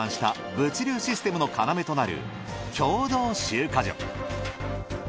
物流システムの要となる共同集荷所。